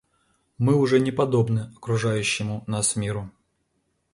Мы уже не подобны окружающему нас миру.